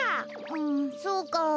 んそうか。